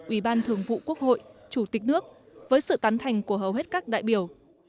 ủy ban thường vụ quốc hội chủ tịch nước với sự tán thành của hầu hết các đại biểu